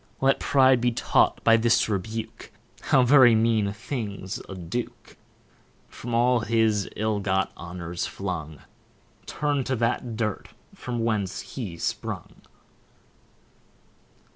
Let pride be taught by this rebuke, How very mean a thing's a Duke; From all his ill got honours flung, Turn'd to that dirt from whence he sprung.